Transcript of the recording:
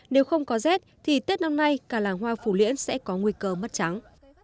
nếu không có rết thì tết năm nay cả làng hoa phủ liễn sẽ có nguy cơ mất trắng